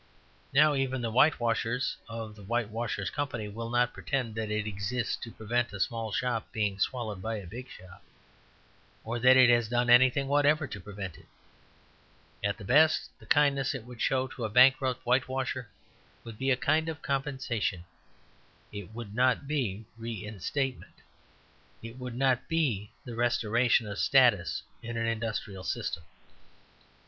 Now even the whitewashers of the Whitewashers Company will not pretend that it exists to prevent a small shop being swallowed by a big shop, or that it has done anything whatever to prevent it. At the best the kindness it would show to a bankrupt whitewasher would be a kind of compensation; it would not be reinstatement; it would not be the restoration of status in an industrial system.